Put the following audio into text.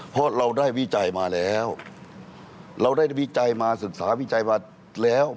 เพราะเราได้วิจัยมาแล้วเราได้วิจัยมาศึกษาวิจัยมาแล้ว